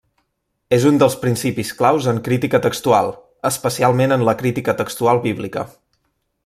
És un dels principis claus en crítica textual, especialment en la crítica textual bíblica.